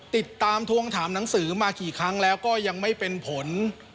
ทวงถามหนังสือมากี่ครั้งแล้วก็ยังไม่เป็นผล